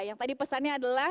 yang tadi pesannya adalah